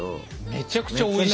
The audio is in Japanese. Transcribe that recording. めちゃくちゃおいしい！